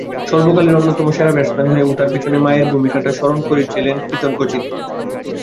সর্বকালের অন্যতম সেরা ব্যাটসম্যান হয়ে ওঠার পেছনে মায়ের ভূমিকাটা স্মরণ করেছিলেন কৃতজ্ঞচিত্তে।